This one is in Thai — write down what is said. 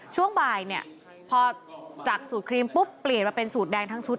ช่วงบ่ายเนี่ยพอจากสูตรครีมปุ๊บเปลี่ยนมาเป็นสูตรแดงทั้งชุด